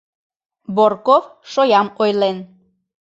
Борков шоям ойлен.